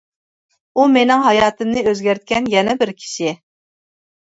ئۇ مېنىڭ ھاياتىمنى ئۆزگەرتكەن يەنە بىر كىشى.